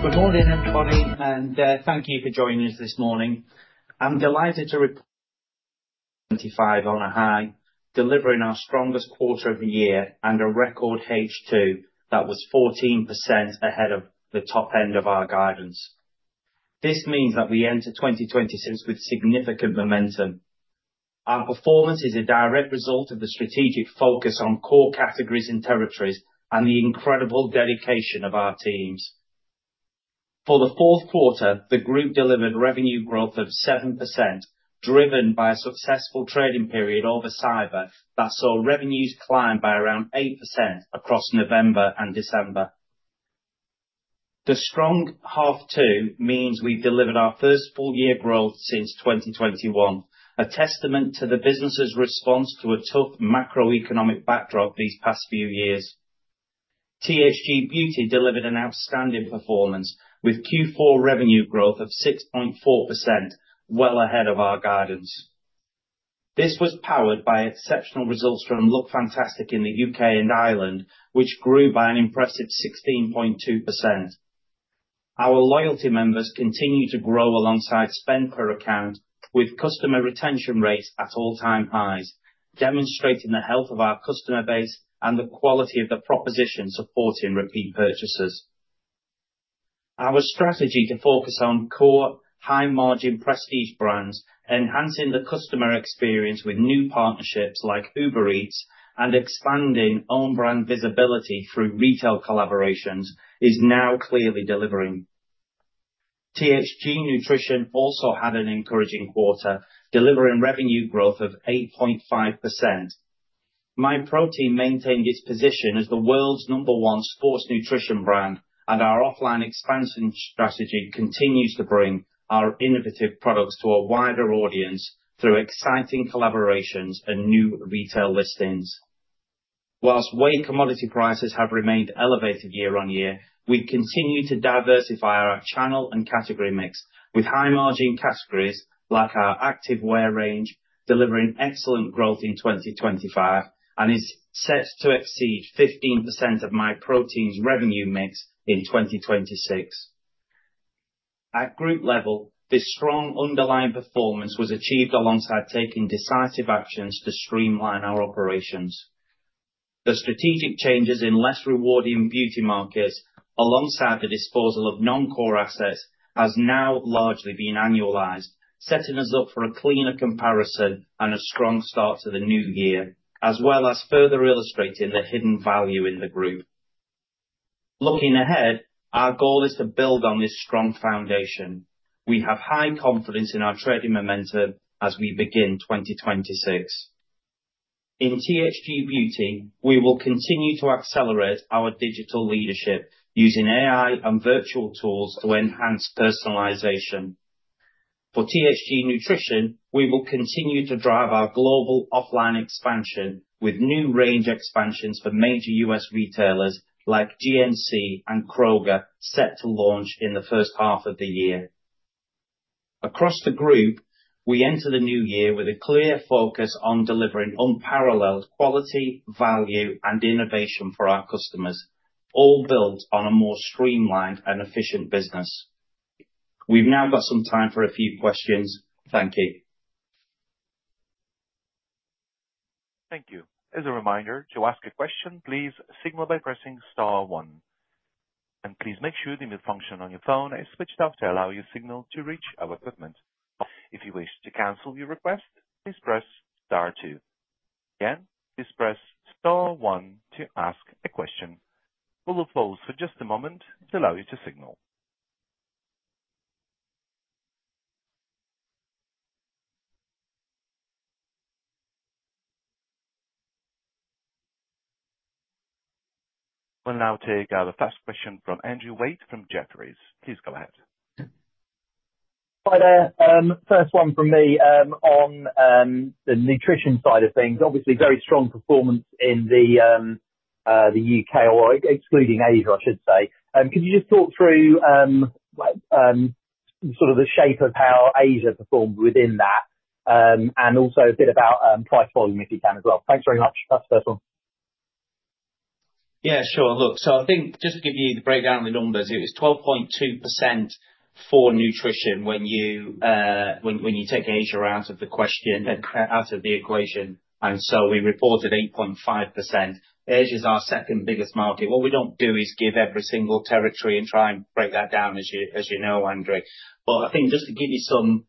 Good morning, everybody, and thank you for joining us this morning. I'm delighted to report 2025 on a high, delivering our strongest quarter of the year and a record H2 that was 14% ahead of the top end of our guidance. This means that we enter 2026 with significant momentum. Our performance is a direct result of the strategic focus on core categories and territories and the incredible dedication of our teams. For the fourth quarter, the group delivered revenue growth of 7%, driven by a successful trading period over cyber that saw revenues climb by around 8% across November and December. The strong half two means we've delivered our first full-year growth since 2021, a testament to the business's response to a tough macroeconomic backdrop these past few years. THG Beauty delivered an outstanding performance with Q4 revenue growth of 6.4%, well ahead of our guidance. This was powered by exceptional results from Lookfantastic in the UK and Ireland, which grew by an impressive 16.2%. Our loyalty members continue to grow alongside spend per account, with customer retention rates at all-time highs, demonstrating the health of our customer base and the quality of the proposition supporting repeat purchasers. Our strategy to focus on core, high-margin prestige brands, enhancing the customer experience with new partnerships like Uber Eats and expanding own-brand visibility through retail collaborations, is now clearly delivering. THG Nutrition also had an encouraging quarter, delivering revenue growth of 8.5%. Myprotein maintained its position as the world's number one sports nutrition brand, and our offline expansion strategy continues to bring our innovative products to a wider audience through exciting collaborations and new retail listings. While whey commodity prices have remained elevated year on year, we continue to diversify our channel and category mix with high-margin categories like our activewear range, delivering excellent growth in 2025 and is set to exceed 15% of Myprotein's revenue mix in 2026. At group level, this strong underlying performance was achieved alongside taking decisive actions to streamline our operations. The strategic changes in less rewarding beauty markets, alongside the disposal of non-core assets, have now largely been annualized, setting us up for a cleaner comparison and a strong start to the new year, as well as further illustrating the hidden value in the group. Looking ahead, our goal is to build on this strong foundation. We have high confidence in our trading momentum as we begin 2026. In THG Beauty, we will continue to accelerate our digital leadership using AI and virtual tools to enhance personalization. For THG Nutrition, we will continue to drive our global offline expansion with new range expansions for major U.S. retailers like GNC and Kroger, set to launch in the first half of the year. Across the group, we enter the new year with a clear focus on delivering unparalleled quality, value, and innovation for our customers, all built on a more streamlined and efficient business. We've now got some time for a few questions. Thank you. Thank you. As a reminder, to ask a question, please signal by pressing Star One, and please make sure the mute function on your phone is switched off to allow your signal to reach our equipment. If you wish to cancel your request, please press Star Two. Again, please press Star One to ask a question. We'll pause for just a moment to allow you to signal. We'll now take our first question from Andrew Waite from Jefferies. Please go ahead. Hi there. First one from me on the nutrition side of things. Obviously, very strong performance in the UK, or excluding Asia, I should say. Could you just talk through sort of the shape of how Asia performed within that, and also a bit about price volume if you can as well? Thanks very much. That's the first one. Yeah, sure. Look, so I think just to give you the breakdown of the numbers, it was 12.2% for nutrition when you take Asia out of the question, out of the equation, and so we reported 8.5%. Asia is our second biggest market. What we don't do is give every single territory and try and break that down, as you know, Andrew. But I think just to give you some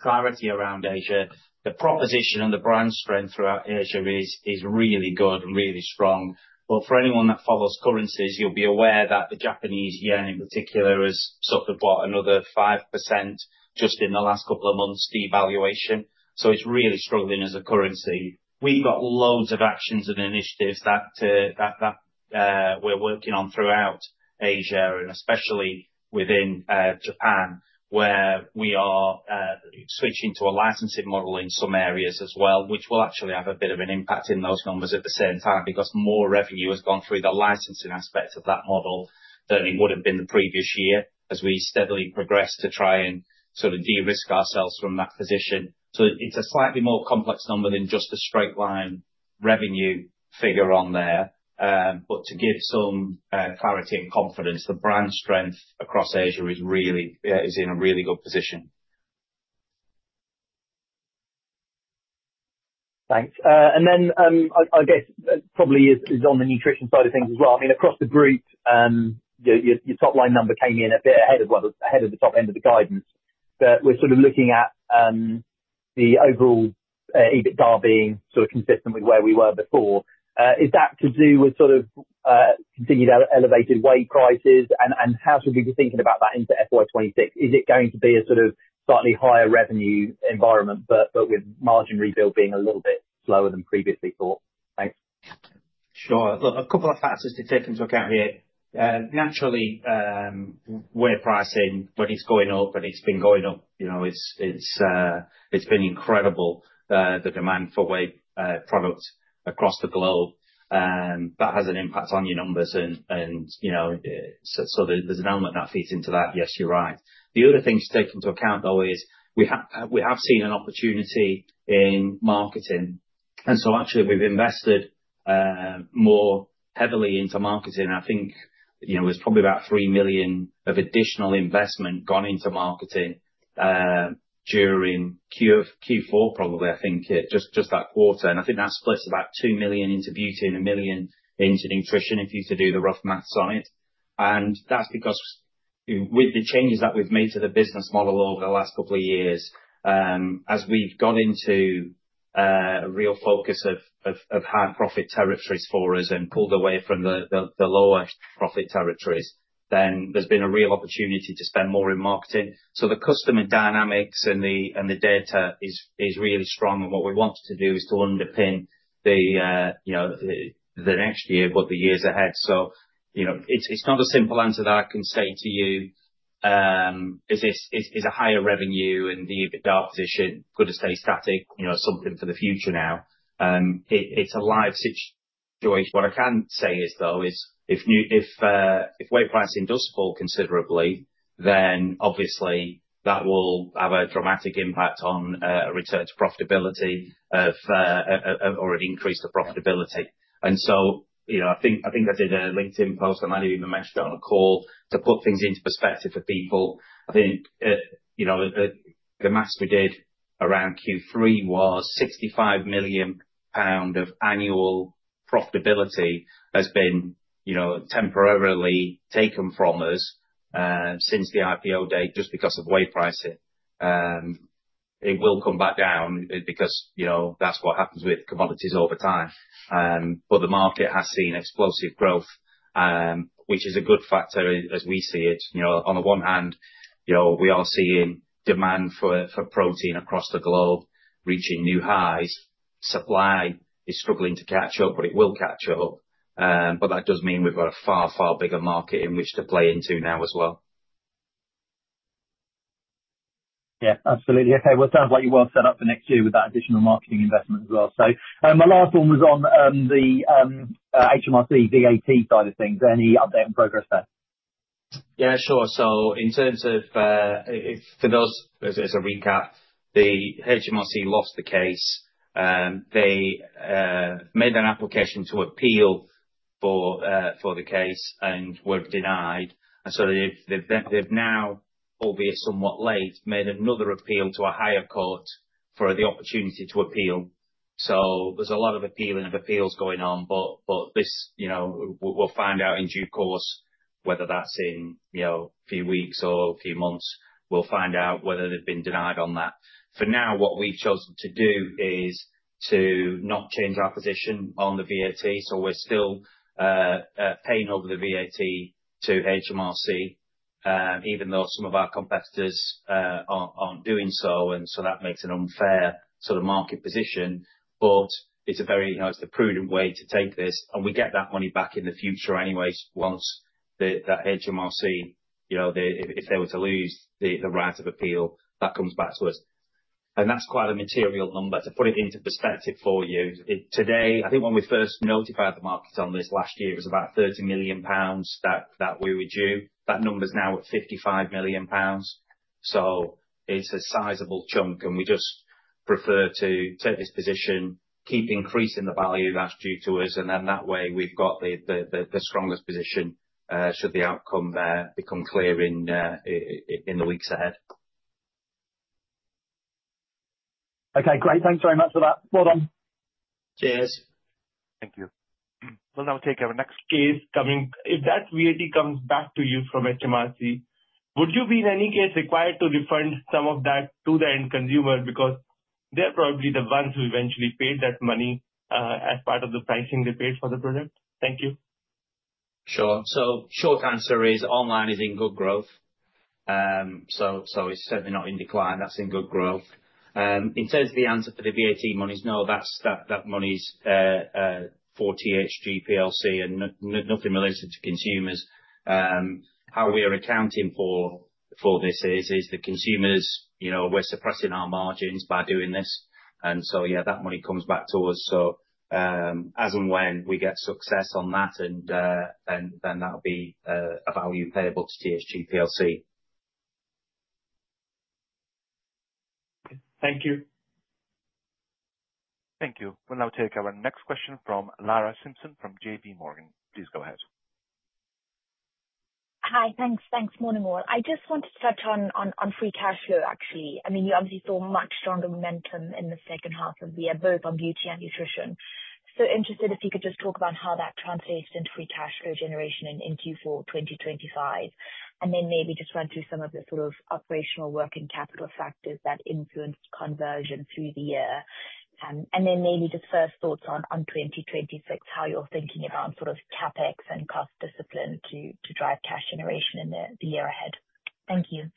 clarity around Asia, the proposition and the brand strength throughout Asia is really good and really strong. But for anyone that follows currencies, you'll be aware that the Japanese yen, in particular, has suffered what, another 5% just in the last couple of months' devaluation. So it's really struggling as a currency. We've got loads of actions and initiatives that we're working on throughout Asia, and especially within Japan, where we are switching to a licensing model in some areas as well, which will actually have a bit of an impact in those numbers at the same time because more revenue has gone through the licensing aspect of that model than it would have been the previous year as we steadily progressed to try and sort of de-risk ourselves from that position. So it's a slightly more complex number than just a straight-line revenue figure on there. But to give some clarity and confidence, the brand strength across Asia is in a really good position. Thanks. And then I guess probably is on the nutrition side of things as well. I mean, across the group, your top-line number came in a bit ahead of the top end of the guidance. But we're sort of looking at the overall EBITDA being sort of consistent with where we were before. Is that to do with sort of continued elevated whey prices? And how should we be thinking about that into FY26? Is it going to be a sort of slightly higher revenue environment, but with margin rebuild being a little bit slower than previously thought? Thanks. Sure. Look, a couple of factors to take into account here. Naturally, whey pricing, when it's going up, and it's been going up. It's been incredible, the demand for whey products across the globe. That has an impact on your numbers. And so there's an element that feeds into that. Yes, you're right. The other thing to take into account, though, is we have seen an opportunity in marketing. And so actually, we've invested more heavily into marketing. I think there's probably about 3 million of additional investment gone into marketing during Q4, probably, I think, just that quarter. And I think that splits about 2 million into beauty and 1 million into nutrition if you do the rough math on it. That's because with the changes that we've made to the business model over the last couple of years, as we've gone into a real focus of high-profit territories for us and pulled away from the lower-profit territories, then there's been a real opportunity to spend more in marketing. So the customer dynamics and the data is really strong. And what we want to do is to underpin the next year, but the years ahead. So it's not a simple answer that I can say to you is a higher revenue and the EBITDA position going to stay static, something for the future now. It's a live situation. What I can say is, though, is if whey pricing does fall considerably, then obviously that will have a dramatic impact on a return to profitability or an increase to profitability. And so I think I did a LinkedIn post, and I didn't even mention it on a call to put things into perspective for people. I think the math we did around Q3 was 65 million pound of annual profitability has been temporarily taken from us since the IPO date just because of whey pricing. It will come back down because that's what happens with commodities over time. But the market has seen explosive growth, which is a good factor as we see it. On the one hand, we are seeing demand for protein across the globe reaching new highs. Supply is struggling to catch up, but it will catch up. But that does mean we've got a far, far bigger market in which to play into now as well. Yeah, absolutely. Okay. Well, it sounds like you're well set up for next year with that additional marketing investment as well. So my last one was on the HMRC VAT side of things. Any update on progress there? Yeah, sure. So in terms of, for those as a recap, the HMRC lost the case. They made an application to appeal for the case and were denied, and so they've now, albeit somewhat late, made another appeal to a higher court for the opportunity to appeal. So there's a lot of appealing of appeals going on, but we'll find out in due course whether that's in a few weeks or a few months. We'll find out whether they've been denied on that. For now, what we've chosen to do is to not change our position on the VAT. So we're still paying over the VAT to HMRC, even though some of our competitors aren't doing so, and so that makes an unfair sort of market position. But it's a prudent way to take this, and we get that money back in the future anyways. Once that HMRC, if they were to lose the right of appeal, that comes back to us. That's quite a material number. To put it into perspective for you, today, I think when we first notified the market on this last year was about 30 million pounds that we were due. That number's now at 55 million pounds. It's a sizable chunk. We just prefer to take this position, keep increasing the value that's due to us. That way, we've got the strongest position should the outcome become clear in the weeks ahead. Okay, great. Thanks very much for that. Well done. Cheers. Thank you. We'll now take our next question. Thanks, James. If that VAT comes back to you from HMRC, would you be in any case required to refund some of that to the end consumer because they're probably the ones who eventually paid that money as part of the pricing they paid for the product? Thank you. Sure. So short answer is online is in good growth. So it's certainly not in decline. That's in good growth. In terms of the answer for the VAT monies, no, that money's for THG PLC and nothing related to consumers. How we are accounting for this is the consumers, we're suppressing our margins by doing this. And so, yeah, that money comes back to us. So as and when we get success on that, then that'll be a value payable to THG PLC. Thank you. Thank you. We'll now take our next question from Lara Simpson from JPMorgan. Please go ahead. Hi, thanks. Thanks, Morgan Moore. I just wanted to touch on free cash flow, actually. I mean, you obviously saw much stronger momentum in the second half of the year both on beauty and nutrition. So interested if you could just talk about how that translates into free cash flow generation in Q4 2025. And then maybe just run through some of the sort of operational working capital factors that influence conversion through the year. And then maybe just first thoughts on 2026, how you're thinking about sort of CapEx and cost discipline to drive cash generation in the year ahead. Thank you.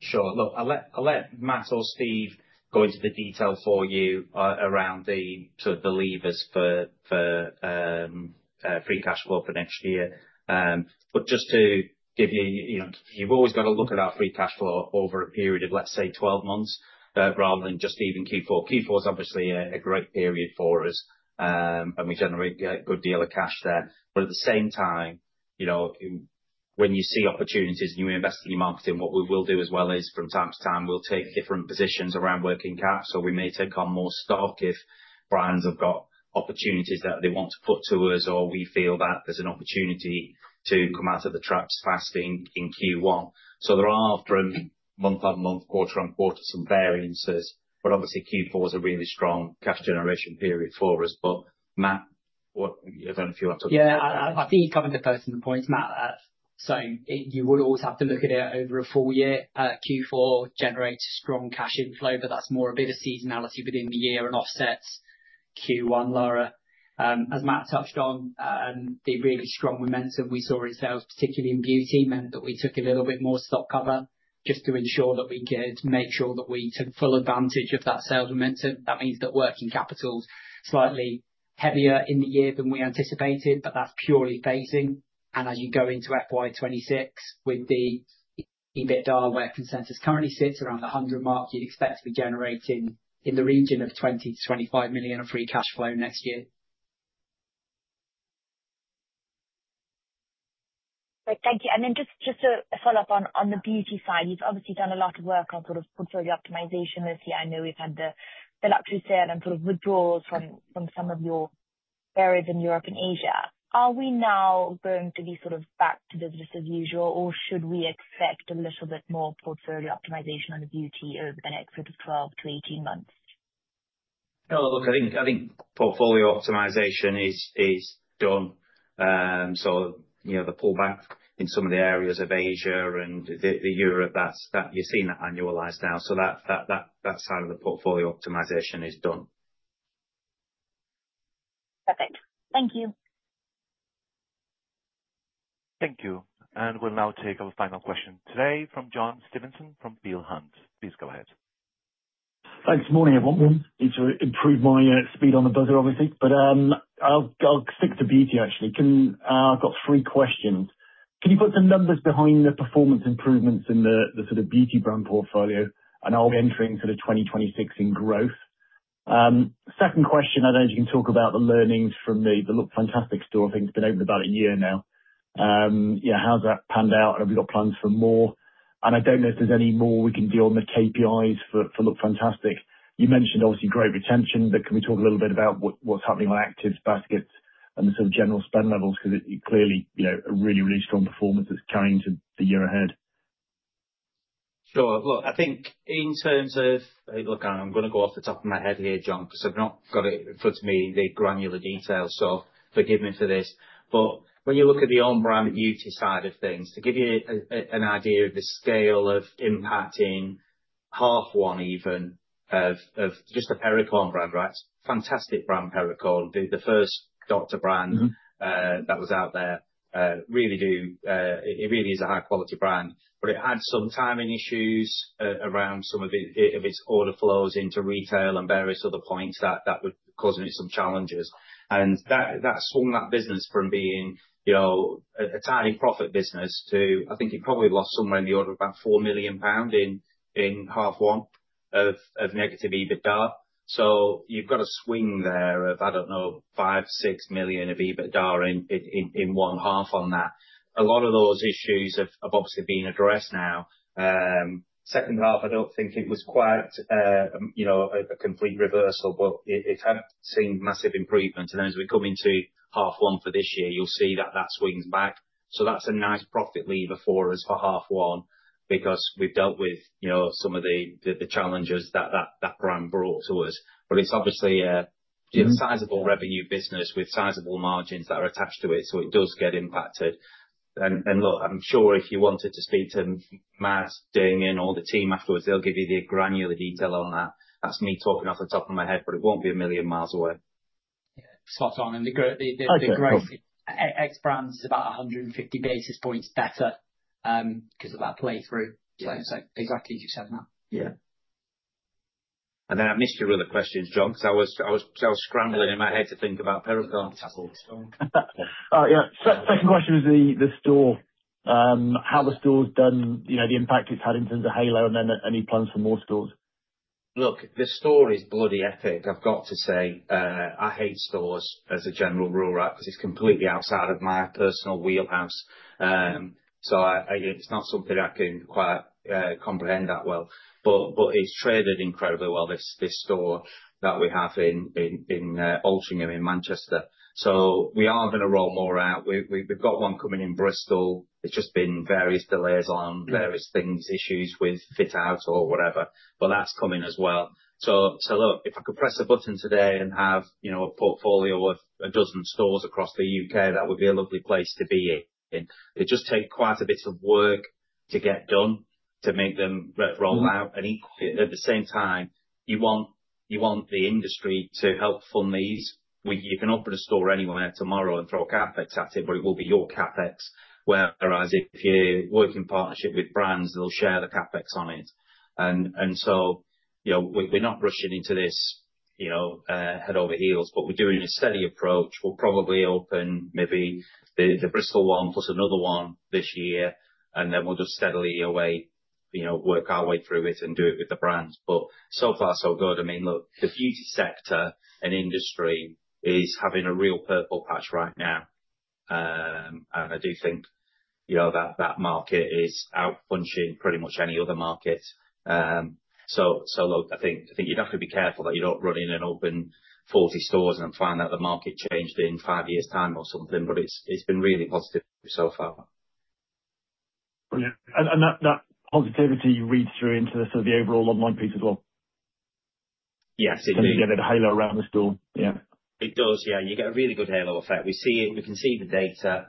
Sure. Look, I'll let Matt or Steve go into the detail for you around the sort of levers for free cash flow for next year. But just to give you, you've always got to look at our free cash flow over a period of, let's say, 12 months rather than just even Q4. Q4 is obviously a great period for us, and we generate a good deal of cash there. But at the same time, when you see opportunities and you invest in your marketing, what we will do as well is from time to time, we'll take different positions around working cap. So we may take on more stock if brands have got opportunities that they want to put to us, or we feel that there's an opportunity to come out of the traps fast in Q1. So there are from month on month, quarter on quarter, some variances. But obviously, Q4 is a really strong cash generation period for us. But Matt, I don't know if you want to. Yeah, I think you've covered the first and the points, Matt. So you would always have to look at it over a full year. Q4 generates strong cash inflow, but that's more a bit of seasonality within the year and offsets Q1, Laura. As Matt touched on, the really strong momentum we saw in sales, particularly in beauty, meant that we took a little bit more stock cover just to ensure that we could make sure that we took full advantage of that sales momentum. That means that working capital's slightly heavier in the year than we anticipated, but that's purely phasing. And as you go into FY26 with the EBITDA where consensus currently sits around the 100 mark, you'd expect to be generating in the region of 20-25 million of free cash flow next year. Thank you. And then just to follow up on the beauty side, you've obviously done a lot of work on sort of portfolio optimization this year. I know we've had the luxury sale and sort of withdrawals from some of your areas in Europe and Asia. Are we now going to be sort of back to business as usual, or should we expect a little bit more portfolio optimization on the beauty over the next sort of 12 to 18 months? Look, I think portfolio optimization is done. So the pullback in some of the areas of Asia and Europe, you've seen that annualized now. So that side of the portfolio optimization is done. Perfect. Thank you. Thank you, and we'll now take our final question today from John Stevenson from Peel Hunt. Please go ahead. Thanks. Morning, everyone. Need to improve my speed on the buzzer, obviously. But I'll stick to beauty, actually. I've got three questions. Can you put the numbers behind the performance improvements in the sort of beauty brand portfolio? And I'll be entering sort of 2026 in growth. Second question, I don't know if you can talk about the learnings from the Lookfantastic store. I think it's been open about a year now. Yeah, how's that panned out? Have we got plans for more? And I don't know if there's any more we can do on the KPIs for Lookfantastic. You mentioned, obviously, great retention, but can we talk a little bit about what's happening on active baskets and the sort of general spend levels? Because clearly, a really, really strong performance that's carrying to the year ahead. Sure. Look, I think in terms of, look, I'm going to go off the top of my head here, John, because I've not got it in front of me, the granular details. So forgive me for this. But when you look at the on-brand beauty side of things, to give you an idea of the scale of impacting half one even of just a Perricone brand, right? Fantastic brand, Perricone, the first doctor brand that was out there. It really is a high-quality brand. But it had some timing issues around some of its order flows into retail and various other points that were causing it some challenges. And that swung that business from being a tiny profit business to, I think it probably lost somewhere in the order of about 4 million pound in half one of negative EBITDA. So you've got a swing there of, I don't know, 5 million-6 million of EBITDA in one half on that. A lot of those issues have obviously been addressed now. Second half, I don't think it was quite a complete reversal, but it had seen massive improvement. And as we come into half one for this year, you'll see that that swings back. So that's a nice profit lever for us for half one because we've dealt with some of the challenges that that brand brought to us. But it's obviously a sizable revenue business with sizable margins that are attached to it. So it does get impacted. And look, I'm sure if you wanted to speak to Matt, Damian, or the team afterwards, they'll give you the granular detail on that. That's me talking off the top of my head, but it won't be a million miles away. Yeah. It's not done. And the growth in ex-brands is about 150 basis points better because of that playthrough. So exactly as you said, Matt. Yeah, and then I missed your other question, John, because I was scrambling in my head to think about Perricone. Oh, yeah. Second question was the store. How the store's done, the impact it's had in terms of Halo, and then any plans for more stores? Look, the store is bloody epic. I've got to say. I hate stores as a general rule, right? Because it's completely outside of my personal wheelhouse. So it's not something I can quite comprehend that well. But it's traded incredibly well, this store that we have in Altrincham in Manchester. So we are going to roll more out. We've got one coming in Bristol. It's just been various delays on various things, issues with fit-out or whatever. But that's coming as well. So look, if I could press a button today and have a portfolio of a dozen stores across the UK, that would be a lovely place to be in. It just takes quite a bit of work to get done to make them roll out. And at the same time, you want the industry to help fund these. You can open a store anywhere tomorrow and throw CapEx at it, but it will be your CapEx. Whereas if you're working partnership with brands, they'll share the CapEx on it. And so we're not rushing into this head over heels, but we're doing a steady approach. We'll probably open maybe the Bristol one plus another one this year. And then we'll just steadily work our way through it and do it with the brands. But so far, so good. I mean, look, the beauty sector and industry is having a real purple patch right now. And I do think that market is outpunching pretty much any other market. So look, I think you'd have to be careful that you don't run in and open 40 stores and then find that the market changed in five years' time or something. But it's been really positive so far. Yeah, and that positivity reads through into the sort of overall online piece as well. Yes, it did. So you get a halo around the store. Yeah. It does. Yeah. You get a really good halo effect. We can see the data.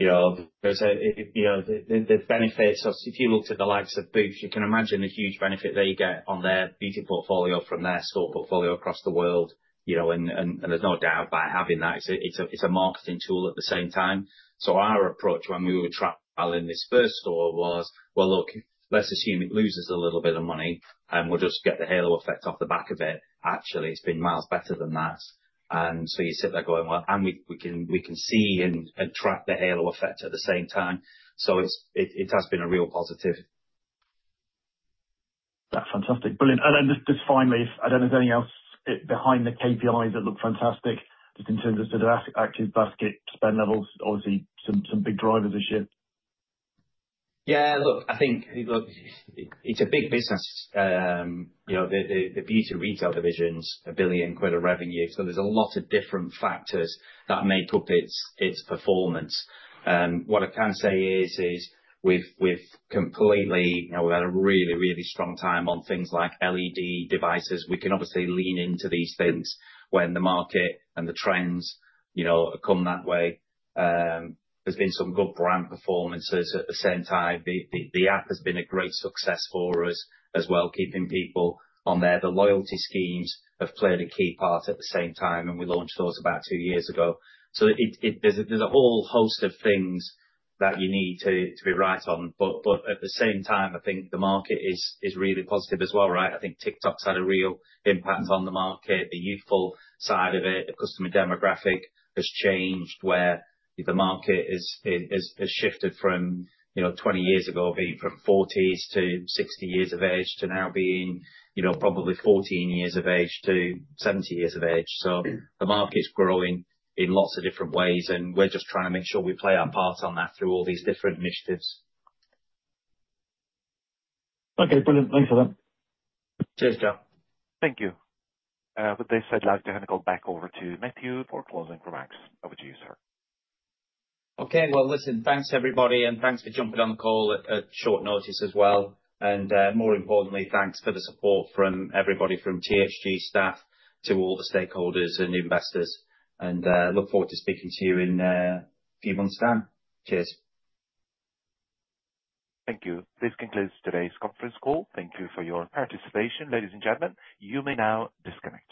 There's the benefits. If you looked at the likes of Boots, you can imagine the huge benefit they get on their beauty portfolio from their store portfolio across the world. And there's no doubt by having that, it's a marketing tool at the same time. So our approach when we were traveling this first store was, well, look, let's assume it loses a little bit of money and we'll just get the halo effect off the back of it. Actually, it's been miles better than that. And so you sit there going, well, and we can see and track the halo effect at the same time. So it has been a real positive. That's fantastic. Brilliant. And then just finally, I don't know if there's anything else behind the KPIs that look fantastic, just in terms of sort of active basket spend levels, obviously some big drivers this year. Yeah. Look, I think it's a big business. The beauty retail division's 1 billion quid of revenue. So there's a lot of different factors that make up its performance. What I can say is, we've completely had a really, really strong time on things like LED devices. We can obviously lean into these things when the market and the trends come that way. There's been some good brand performances. At the same time, the app has been a great success for us as well, keeping people on there. The loyalty schemes have played a key part at the same time, and we launched those about two years ago. So there's a whole host of things that you need to be right on. But at the same time, I think the market is really positive as well, right? I think TikTok's had a real impact on the market. The youthful side of it, the customer demographic has changed where the market has shifted from 20 years ago being from 40s to 60 years of age to now being probably 14 years of age to 70 years of age. So the market's growing in lots of different ways, and we're just trying to make sure we play our part on that through all these different initiatives. Okay. Brilliant. Thanks for that. Cheers, John. Thank you. With this, I'd like to hand the call back over to Matthew for closing remarks. Over to you, sir. Okay. Well, listen, thanks, everybody. And thanks for jumping on the call at short notice as well. And more importantly, thanks for the support from everybody, from THG staff to all the stakeholders and investors. And look forward to speaking to you in a few months' time. Cheers. Thank you. This concludes today's conference call. Thank you for your participation, ladies and gentlemen. You may now disconnect.